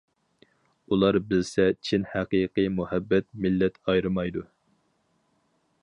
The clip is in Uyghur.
ئۇلار بىلسە چىن ھەقىقىي مۇھەببەت مىللەت ئايرىمايدۇ.